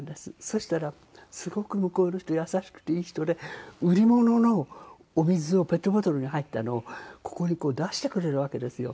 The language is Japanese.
そしたらすごく向こうの人優しくていい人で売り物のお水をペットボトルに入ったのをここに出してくれるわけですよ。